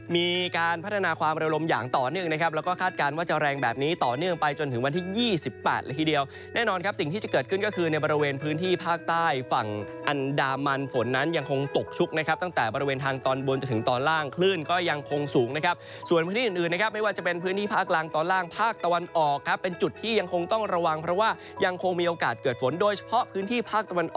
มีการพัฒนาความระยะลมอย่างต่อเนื่องนะครับแล้วก็คาดการณ์ว่าจะแรงแบบนี้ต่อเนื่องไปจนถึงวันที่๒๘ละครีเดียวแน่นอนครับสิ่งที่จะเกิดขึ้นก็คือในบริเวณพื้นที่ภาคใต้ฝั่งอันดามันฝนนั้นยังคงตกชุกนะครับตั้งแต่บริเวณทางตอนบนจนถึงตอนล่างคลื่นก็ยังคงสูงนะครับส่วนพื้นที่อื่น